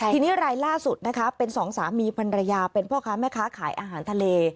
ทีนี้รายล่าสุดนะคะเป็นสองสามีพันรยาเป็นพ่อค้าแม่ค้าขายอาหารทะเล